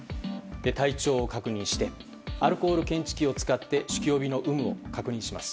体調を確認してアルコール検知器を使って酒気帯びの有無を確認します。